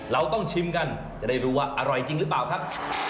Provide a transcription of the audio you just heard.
เราต้องชิมกันจะได้รู้ว่าอร่อยจริงหรือเปล่าครับ